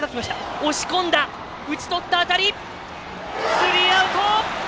スリーアウト！